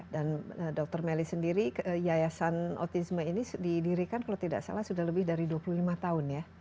dan dr melly sendiri yayasan autisme ini didirikan kalau tidak salah sudah lebih dari dua puluh lima tahun ya